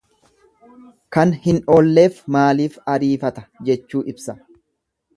Kan hin oolleef maaliif ariifata jechuu ibsa.